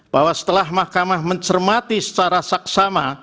bahwa setelah mahkamah mencermati secara saksama